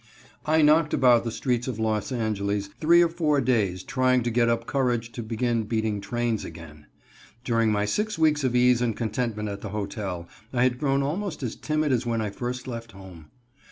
I knocked about the streets of Los Angeles three or four days trying to get up courage to begin beating trains again. During my six weeks of ease and contentment at the hotel I had grown almost as timid as when I first left home.